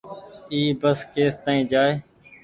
اي بس ڪيس تآئين جآئي۔